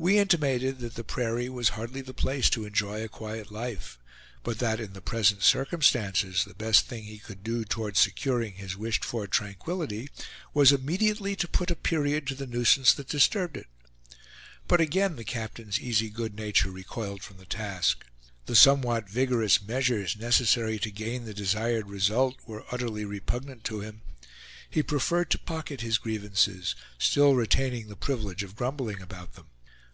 We intimated that the prairie was hardly the place to enjoy a quiet life, but that, in the present circumstances, the best thing he could do toward securing his wished for tranquillity, was immediately to put a period to the nuisance that disturbed it. But again the captain's easy good nature recoiled from the task. The somewhat vigorous measures necessary to gain the desired result were utterly repugnant to him; he preferred to pocket his grievances, still retaining the privilege of grumbling about them.